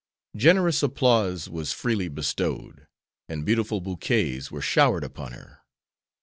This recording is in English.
Generous applause was freely bestowed, and beautiful bouquets were showered upon her.